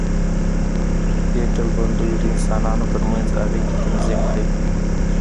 دې ډلبندیو د انسانانو تر منځ اړیکې تنظیم کړې.